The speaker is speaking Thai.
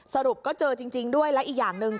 สรุปก็เจอจริงด้วยและอีกอย่างหนึ่ง